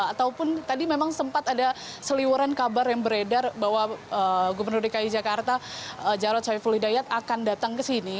ataupun tadi memang sempat ada seliwuran kabar yang beredar bahwa gubernur dki jakarta jarod saiful hidayat akan datang ke sini